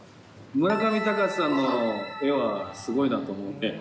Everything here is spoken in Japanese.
村上隆さんの絵はすごいなと思って。